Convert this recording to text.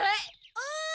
おい！